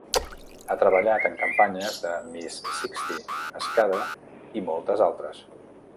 Ha treballat en campanyes de Miss Sixty, Escada i moltes altres.